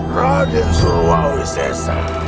raden suruawi sesa